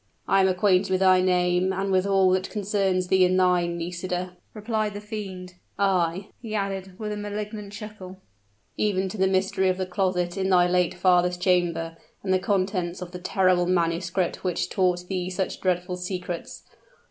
"I am acquainted with thy name, and with all that concerns thee and thine, Nisida," replied the fiend; "ay," he added, with a malignant chuckle, "even to the mystery of the closet in thy late father's chamber, and the contents of the terrible manuscript which taught thee such dreadful secrets!